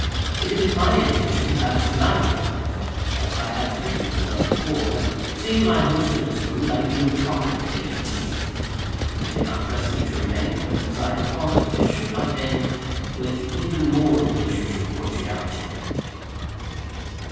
It had been my intention to pass the night at the hut, as I had frequently done before, but, seeing my host in this mood, I deemed it proper to take leave. He did not press me to remain, but, as I departed, he shook my hand with even more than his usual cordiality.